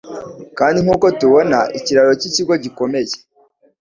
kandi nkuko tubona ikiraro cyikigo gikomeye